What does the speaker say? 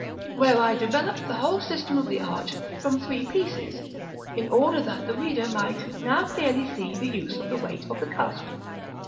where I developed the whole system of the arch from three pieces, in order that the reader might now clearly see the use of the weight of the cusp.